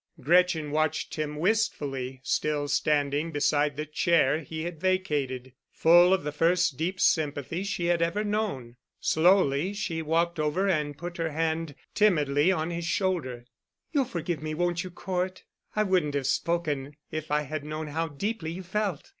Gretchen watched him wistfully, still standing beside the chair he had vacated, full of the first deep sympathy she had ever known. Slowly she walked over and put her hand timidly on his shoulder. "You'll forgive me, won't you, Cort? I wouldn't have spoken if I had known how deeply you felt."